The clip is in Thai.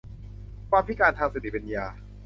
ความพิการทางสติปัญญา